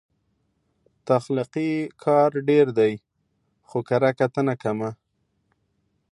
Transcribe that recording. تخلیقي کار ډېر دی، خو کرهکتنه کمه